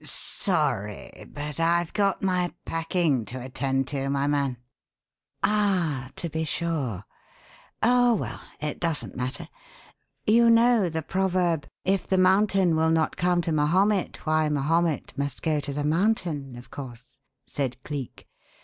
"Sorry, but I've got my packing to attend to, my man." "Ah, to be sure. Oh, well, it doesn't matter. You know the proverb: 'If the mountain will not come to Mahomet, why, Mahomet must go to the mountain,' of course," said Cleek.